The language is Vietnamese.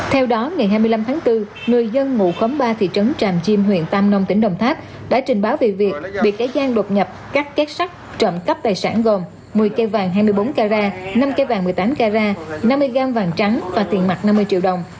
theo đó ngày hai mươi năm tháng bốn người dân ngụ khóm ba thị trấn tràm chim huyện tam nông tỉnh đồng tháp đã trình báo về việc bị kẻ gian đột nhập cắt kết sắt trộm cắp tài sản gồm một mươi cây vàng hai mươi bốn carat năm cây vàng một mươi tám carat năm mươi gram vàng trắng và tiền mặt năm mươi triệu đồng